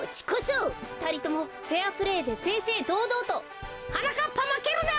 ふたりともフェアプレーでせいせいどうどうと！はなかっぱまけるな！